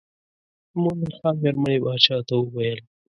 د مومن خان مېرمنې باچا ته وویل.